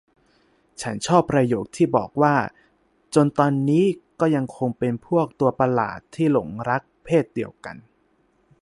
ฉันชอบประโยคที่บอกว่า จนตอนนี้ก็ยังคงเป็นพวกตัวประหลาดที่หลงรักเพศเดียวกัน